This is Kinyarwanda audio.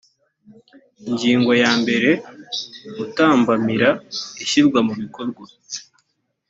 ingingo ya mbere gutambamira ishyirwa mu bikorwa